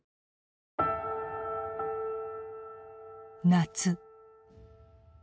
夏。